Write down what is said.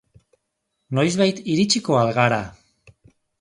Noizbait iritsiko al gara?